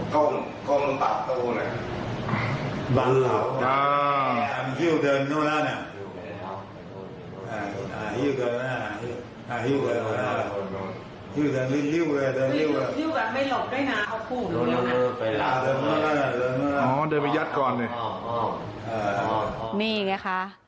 ยิบแบบไม่หลบด้วยน้ำเขากลุ่มด้วยค่ะอ๋อเดินไปยัดก่อนเลยอ๋อนี่ไงค่ะ